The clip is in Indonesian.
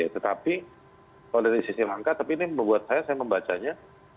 tetapi kalau dari sisi langkah tapi ini membuat saya saya membacanya